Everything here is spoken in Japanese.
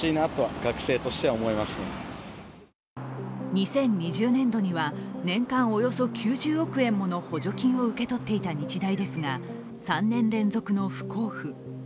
２０２０年度には、年間およそ９０億円もの補助金を受け取っていた日大ですが３年連続の不交付。